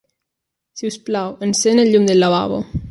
Sisplau, encén el llum del lavabo.